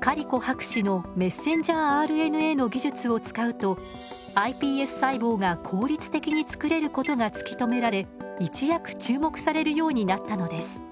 カリコ博士のｍＲＮＡの技術を使うとｉＰＳ細胞が効率的につくれることが突き止められ一躍注目されるようになったのです。